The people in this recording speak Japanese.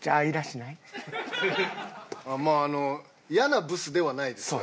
まああの嫌なブスではないですね。